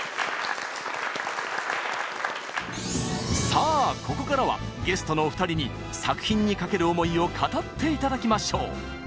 さあここからはゲストのお二人に作品に懸ける思いを語って頂きましょう。